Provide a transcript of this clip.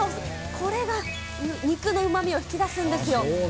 これが肉のうまみを引き出すんですよ。